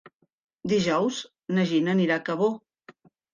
Dijous na Gina anirà a Cabó.